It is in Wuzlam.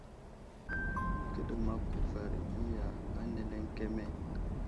Kəɗəmak kuvar iya ane ləŋkeme ?